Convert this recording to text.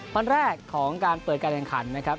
วันแรกของการเปิดการแข่งขันนะครับ